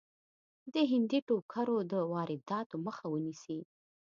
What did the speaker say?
د هندي ټوکرو د وادراتو مخه ونیسي.